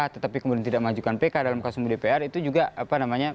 tetapi kemudian tidak mengajukan pk dalam kasus dpr itu juga apa namanya